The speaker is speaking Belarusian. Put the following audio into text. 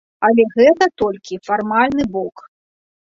Але гэта толькі фармальны бок.